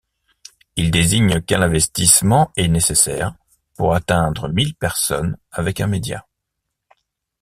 Il désigne quel investissement est nécessaire pour atteindre mille personnes avec un média.